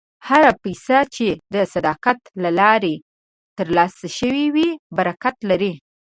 هره پیسه چې د صداقت له لارې ترلاسه شوې وي، برکت لري.